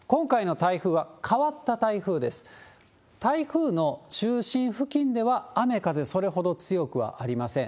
台風の中心付近では雨風、それほど強くはありません。